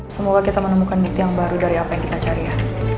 semoga kita menemukan bukti yang baru dari apa yang kita cari ya